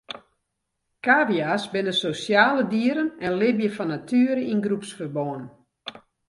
Kavia's binne sosjale dieren en libje fan natuere yn groepsferbân.